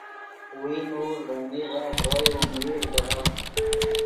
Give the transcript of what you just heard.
ویئے نوڑ ڤے میغف ڤرو یو میر دیہے